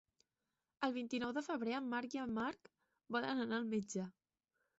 El vint-i-nou de febrer en Marc i en Marc volen anar al metge.